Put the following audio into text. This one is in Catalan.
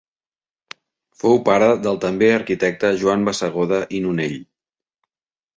Fou pare del també arquitecte Joan Bassegoda i Nonell.